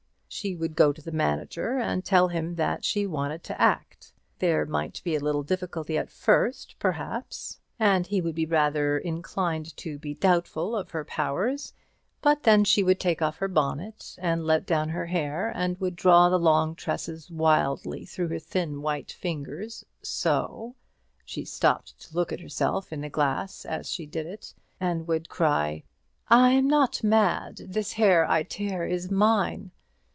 She would go to the manager, and tell him that she wanted to act. There might be a little difficulty at first, perhaps, and he would be rather inclined to be doubtful of her powers; but then she would take off her bonnet, and let down her hair, and would draw the long tresses wildly through her thin white fingers so; she stopped to look at herself in the glass as she did it, and would cry, "I am not mad; this hair I tear is mine!"